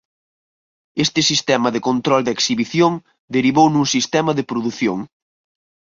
Este sistema de control da exhibición derivou nun sistema de produción.